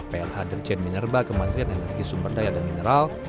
plh derjen minerba kementerian energi sumberdaya dan mineral